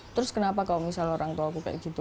terus kenapa kalau misalnya orang tua aku kayak gitu